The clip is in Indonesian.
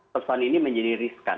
pesan ini menjadi riskan